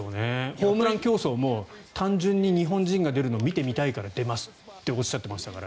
ホームラン競争も単純に日本人が出るのを見てみたいから出ますっておっしゃっていましたから。